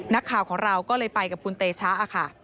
นักข่าวของเราก็เลยไปกับคุณเตชะค่ะ